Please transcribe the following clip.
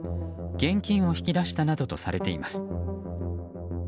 現金を引き出したなどとされています。